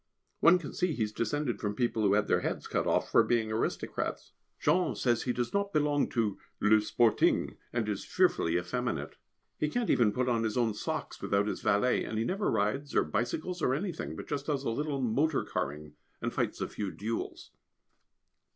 One can see he is descended from people who had their heads cut off for being aristocrats. Jean says he does not belong to le Sporting, and is fearfully effeminate. He can't even put on his own socks without his valet, and he never rides or bicycles or anything, but just does a little motor carring, and fights a few duels.